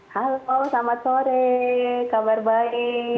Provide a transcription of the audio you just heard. halo selamat sore kabar baik